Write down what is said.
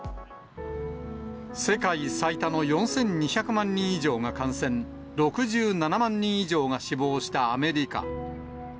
世界最多の４２００万人以上が感染、６７万人以上が死亡したアメリカ。